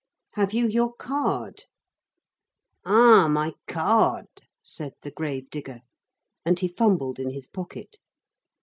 "Have you your card?" "Ah! my card?" said the grave digger. And he fumbled in his pocket.